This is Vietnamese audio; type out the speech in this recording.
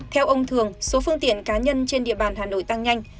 theo ông thường số phương tiện cá nhân trên địa bàn hà nội tăng nhanh